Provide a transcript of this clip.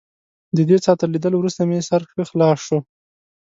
ددې څاه تر لیدلو وروسته مې سر ښه خلاص شو.